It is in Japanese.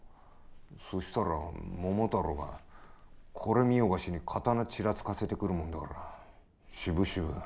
そしたら桃太郎がこれ見よがしに刀ちらつかせてくるもんだからしぶしぶ。